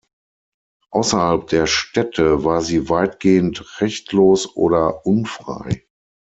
Außerhalb der Städte war sie weitgehend rechtlos oder unfrei.